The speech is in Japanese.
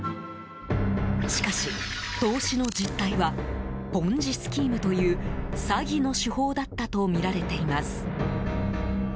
しかし、投資の実態はポンジ・スキームという詐欺の手法だったとみられています。